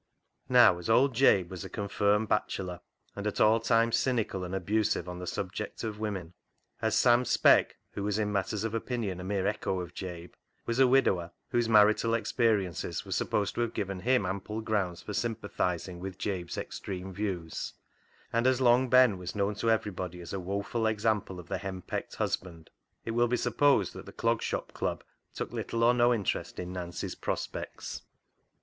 Now, as old Jabe was a confirmed bachelor, and at all times cynical and abusive on the subject of women ; as Sam Speck (who was in matters of opinion a mere echo of Jabe) was a widower, whose marital experiences were sup posed to have given him ample grounds for sympathising with Jabe's extreme views ; and as Long Ben was known to everybody as a woeful example of the henpecked husband, it will be supposed that the Clog Shop Club took little or no interest in Nancy's prospects.